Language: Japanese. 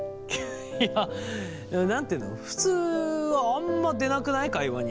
いや何て言うの普通はあんまりでなくない？会話に。